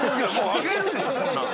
あげるでしょこんなん。